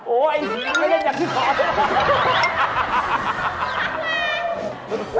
โอ้ยไม่ได้ยังอยากที่ขอ